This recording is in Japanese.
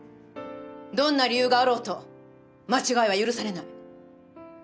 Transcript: どんな理由があろうと間違いは許されない。